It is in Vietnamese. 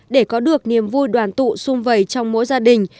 để có được niềm vui đoàn tụ xung vầy trong mỗi gia đình